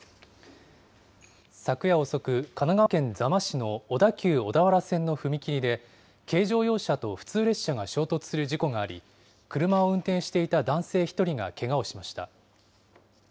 昨夜遅く、神奈川県座間市の小田急小田原線の踏切で、軽乗用車と普通列車が衝突する事故があり、車を運転していた男性１人がけがをしました。